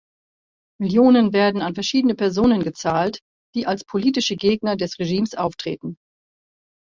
Millionen werden an verschiedene Personen gezahlt, die als politische Gegner des Regimes auftreten.